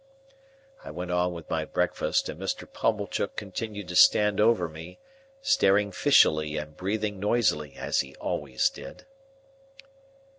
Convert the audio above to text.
I went on with my breakfast, and Mr. Pumblechook continued to stand over me, staring fishily and breathing noisily, as he always did.